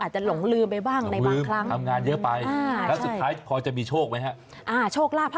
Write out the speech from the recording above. อาจจะหลงลืมไปบ้างในบางครั้ง